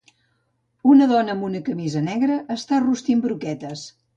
Una dona amb una camisa negra està rostint broquetes.